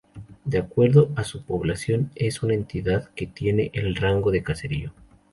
De acuerdo a su población es una entidad que tiene el rango de caserío.